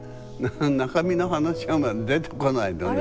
中身の話が出てこないのね。